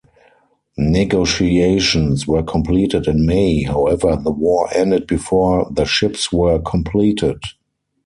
Negotiations were completed in May, however the war ended before the ships were completed.